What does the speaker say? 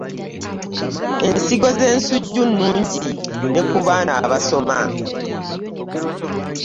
Ensigo zensujju nnungi ne ku baana abasoma.